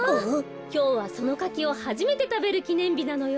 きょうはそのかきをはじめてたべるきねんびなのよ。